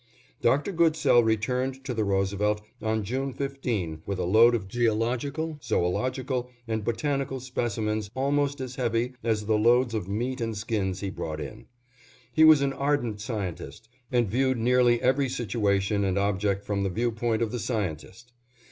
Dr. Goodsell returned to the Roosevelt on June 15, with a load of geological, zoölogical, and botanical specimens almost as heavy as the loads of meat and skins he brought in. He was an ardent scientist, and viewed nearly every situation and object from the view point of the scientist.